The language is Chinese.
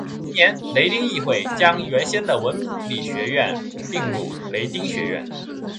同年雷丁议会将原先的文理学院并入雷丁学院。